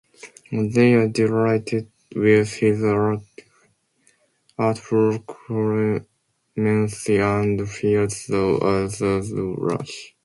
They are delighted with his artful clemency and fear the other's wrath.